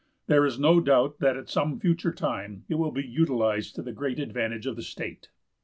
There is no doubt that at some future time it will be utilized to the great advantage of the state.